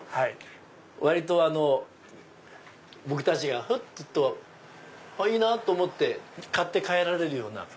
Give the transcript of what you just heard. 割と僕たちがふっといいなって思って買って帰られるような。